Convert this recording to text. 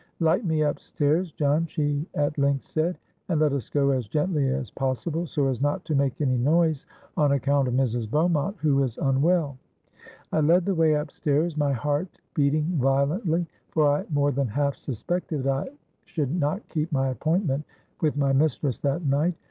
—'Light me up stairs, John,' she at length said; 'and let us go as gently as possible, so as not to make any noise, on account of Mrs. Beaumont, who is unwell.'—I led the way up stairs, my heart beating violently; for I more than half suspected that I should not keep my appointment with my mistress that night.